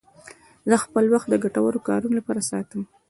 زه خپل وخت د ګټورو کارونو لپاره ساتم.